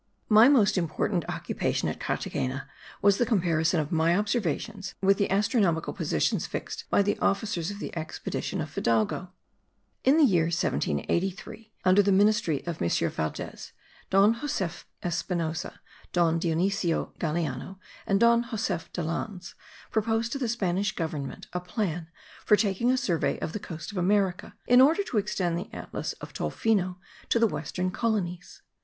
My most important occupation at Carthagena was the comparison of my observations with the astronomical positions fixed by the officers of the expedition of Fidalgo. In the year 1783 (under the ministry of M. Valdes) Don Josef Espinosa, Don Dionisio Galiano and Don Josef de Lanz proposed to the Spanish government a plan for taking a survey of the coast of America, in order to extend the atlas of Tofino to the western colonies.